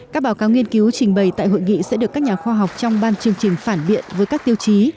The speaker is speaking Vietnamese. các báo cáo nghiên cứu trình bày tại hội nghị sẽ được các nhà khoa học trong ban chương trình phản biện với các tiêu chí